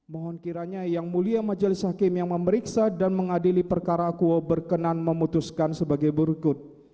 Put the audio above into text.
mohon kiranya yang mulia majelis hakim yang memeriksa dan mengadili perkara akuo berkenan memutuskan sebagai berikut